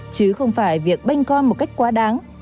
chứ không phải việc bênh con một cách quá đáng